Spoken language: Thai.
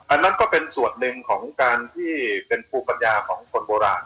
อันนั้นก็เป็นส่วนหนึ่งของการที่เป็นภูมิปัญญาของคนโบราณ